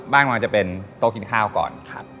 บ้านมันจะเป็นโต๊ะกินข้าวก่อน